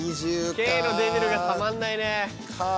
Ｋのデビルがたまんないね。